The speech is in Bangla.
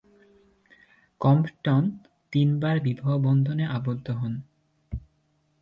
কম্পটন তিনবার বিবাহ-বন্ধনে আবদ্ধ হন।